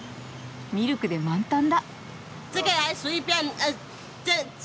ミルクで満タンだ！